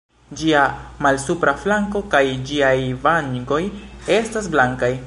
Ĝia malsupra flanko kaj ĝiaj vangoj estas blankaj.